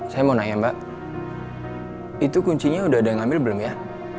saya mau nanya mbak itu kuncinya udah ada yang ngambil belum ya